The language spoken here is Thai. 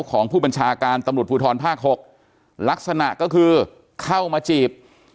ของผู้บัญชาการตำรวจภูทรภาค๖ลักษณะก็คือเข้ามาจีบ